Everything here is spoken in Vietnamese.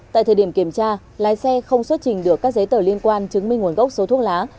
tại thời điểm kiểm tra lái xe không xuất trình được các giấy tờ liên quan chứng minh nguồn gốc số thuốc lá